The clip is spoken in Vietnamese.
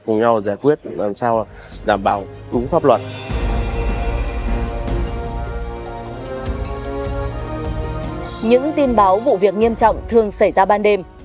những tin báo vụ việc nghiêm trọng thường xảy ra ban đêm